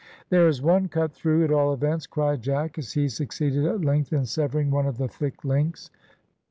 "There is one cut through, at all events," cried Jack, as he succeeded at length in severing one of the thick links.